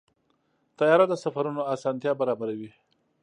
طیاره د سفرونو اسانتیا برابروي.